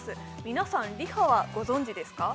皆さんＲｅＦａはご存じですか？